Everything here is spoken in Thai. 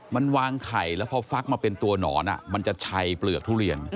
มันวางไข่แล้วพอฟักมาเป็นตัวหนอนมันจะชัยเปลือกทุเรียน